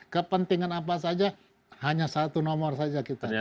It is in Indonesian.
kepentingan apa saja hanya satu nomor saja kita